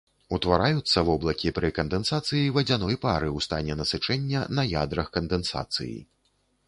Утвараюцца воблакі пры кандэнсацыі вадзяной пары ў стане насычэння на ядрах кандэнсацыі.